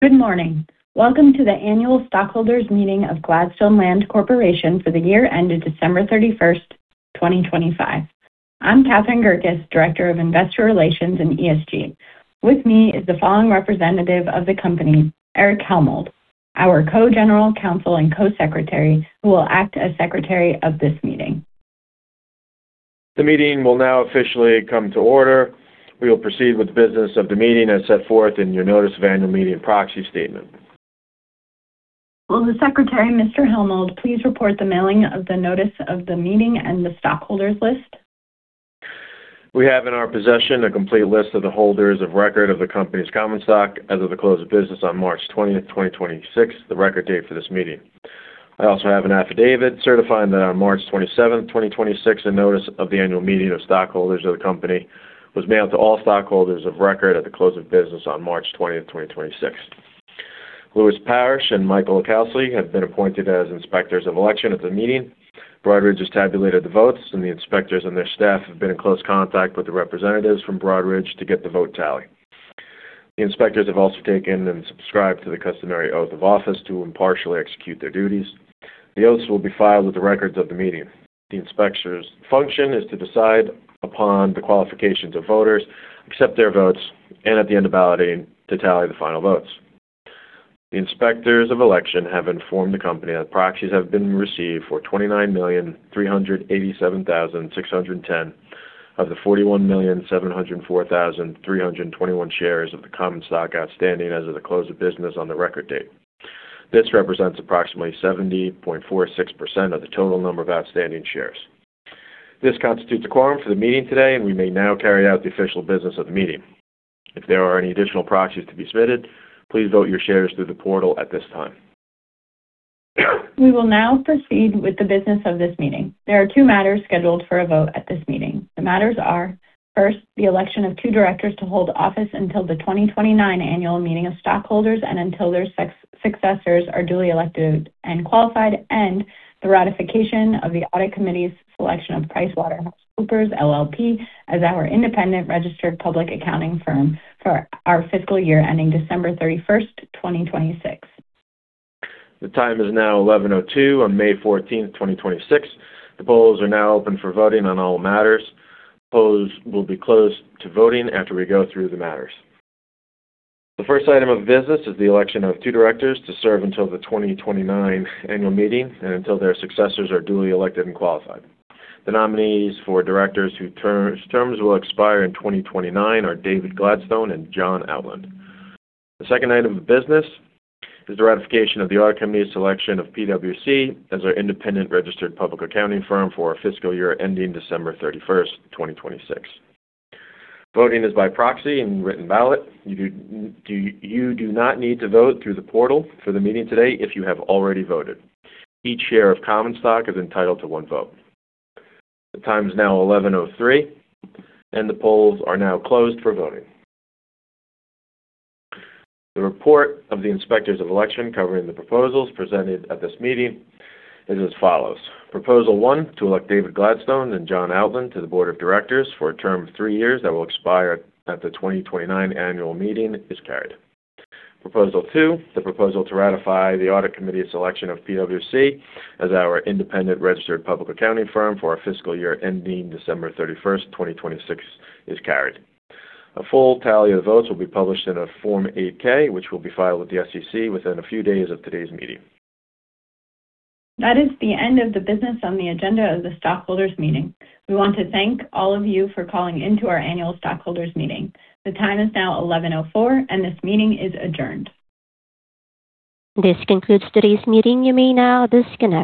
Good morning. Welcome to the annual stockholders meeting of Gladstone Land Corporation for the year ended December 31st, 2025. I'm Catherine Gerkis, Director of Investor Relations and ESG. With me is the following representative of the company, Erich Hellmold, our Co-General Counsel and Co-Secretary, who will act as secretary of this meeting. The meeting will now officially come to order. We will proceed with the business of the meeting as set forth in your notice of annual meeting proxy statement. Will the secretary, Mr. Hellmold, please report the mailing of the notice of the meeting and the stockholders list? We have in our possession a complete list of the holders of record of the company's common stock as of the close of business on March 20th, 2026, the record date for this meeting. I also have an affidavit certifying that on March 27th, 2026, a notice of the annual meeting of stockholders of the company was mailed to all stockholders of record at the close of business on March 20th, 2026. Lewis Parrish and Michael LiCalsi have been appointed as inspectors of election at the meeting. Broadridge has tabulated the votes, and the inspectors and their staff have been in close contact with the representatives from Broadridge to get the vote tally. The inspectors have also taken and subscribed to the customary oath of office to impartially execute their duties. The oaths will be filed with the records of the meeting. The inspector's function is to decide upon the qualifications of voters, accept their votes, and at the end of balloting, to tally the final votes. The inspectors of election have informed the company that proxies have been received for 29,387,610 of the 41,704,321 shares of the common stock outstanding as of the close of business on the record date. This represents approximately 70.46% of the total number of outstanding shares. This constitutes a quorum for the meeting today, and we may now carry out the official business of the meeting. If there are any additional proxies to be submitted, please vote your shares through the portal at this time. We will now proceed with the business of this meeting. There are two matters scheduled for a vote at this meeting. The matters are, first, the election of two directors to hold office until the 2029 annual meeting of stockholders and until their successors are duly elected and qualified, and the ratification of the Audit Committee's selection of PricewaterhouseCoopers LLP, as our independent registered public accounting firm for our fiscal year ending December 31st, 2026. The time is now 11:02 on May 14th, 2026. The polls are now open for voting on all matters. Polls will be closed to voting after we go through the matters. The first item of business is the election of two directors to serve until the 2029 annual meeting and until their successors are duly elected and qualified. The nominees for directors whose terms will expire in 2029 are David Gladstone and John Outland. The second item of business is the ratification of the Audit Committee's selection of PwC as our independent registered public accounting firm for our fiscal year ending December 31st, 2026. Voting is by proxy and written ballot. You do not need to vote through the portal for the meeting today if you have already voted. Each share of common stock is entitled to one vote. The time is now 11:03 and the polls are now closed for voting. The report of the inspectors of election covering the proposals presented at this meeting is as follows. Proposal 1, to elect David Gladstone and John Outland to the board of directors for a term of three years that will expire at the 2029 annual meeting is carried. Proposal 2, the proposal to ratify the Audit Committee's selection of PwC as our independent registered public accounting firm for our fiscal year ending December 31st, 2026 is carried. A full tally of the votes will be published in a Form 8-K, which will be filed with the SEC within a few days of today's meeting. That is the end of the business on the agenda of the stockholders meeting. We want to thank all of you for calling into our annual stockholders meeting. The time is now 11:04, and this meeting is adjourned. This concludes today's meeting. You may now disconnect.